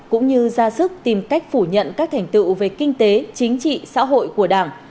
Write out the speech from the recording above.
cũng như ra sức tìm cách phủ nhận các thành tựu về kinh tế chính trị xã hội của đảng